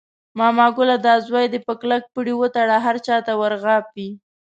ماما ګله دا زوی دې په کلک پړي وتړله، هر چاته ور غاپي.